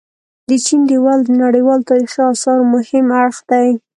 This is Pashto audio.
د چين ديوال د نړيوال تاريخي اثارو مهم اړخ دي.